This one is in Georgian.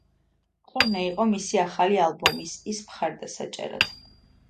ტურნე იყო მისი ახალი ალბომის, –ის მხარდასაჭერად.